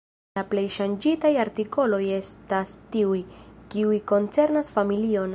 La plej ŝanĝitaj artikoloj estas tiuj, kiuj koncernas familion.